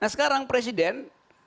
nah sekarang presiden